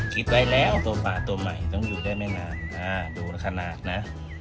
คิดไว้แล้วตัวป่าตัวใหม่ต้องอยู่ได้ไม่นานดูขนาดนะ